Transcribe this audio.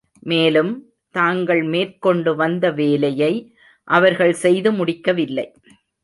மேலும், தாங்கள் மேற்கொண்டுவந்த வேலையை அவர்கள் செய்து முடிக்கவில்லை.